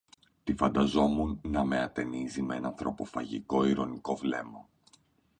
Τη φανταζόμουν να με ατενίζει μ’ ένα ανθρωποφαγικό ειρωνικό βλέμμα,